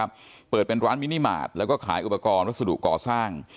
เป็นบ้านของน้องบัวนะครับเปิดเป็นร้านมินิมาตรแล้วก็ขายอุปกรณ์รสดุก่อสร้าง